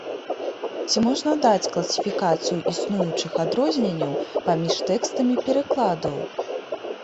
Ці можна даць класіфікацыю існуючых адрозненняў паміж тэкстамі перакладаў?